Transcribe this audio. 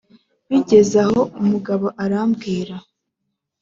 Bigeze aho umugabo arambwira